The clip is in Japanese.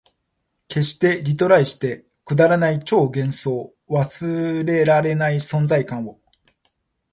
消して、リライトして、くだらない超幻想、忘れらない存在感を